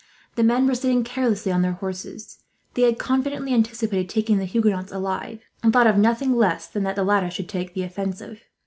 The men were sitting carelessly on their horses. They had confidently anticipated taking the Huguenots alive, and thought of nothing less than that the latter should take the offensive.